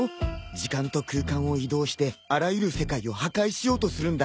時間と空間を移動してあらゆる世界を破壊しようとするんだ。